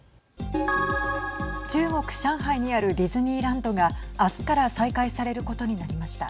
中国、上海にあるディズニーランドが明日から再開されることになりました。